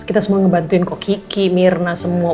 kita semua ngebantuin kok kiki mirna semua